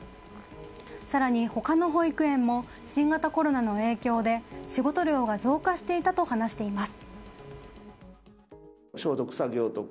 更に、他の保育園も新型コロナの影響で仕事量が増加していたと話しています。